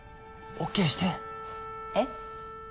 ＯＫしてえっ？